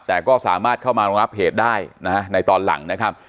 แต่ก็สามารถเข้ามารองรับเหตุได้นะฮะในตอนหลังนะครับ